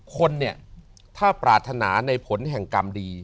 คนเนี่ยถ้าปรารถนาในผลแห่งกรรมดี